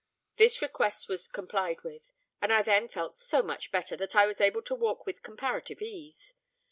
This request was complied with; and I then felt so much better, that I was able to walk with comparative ease.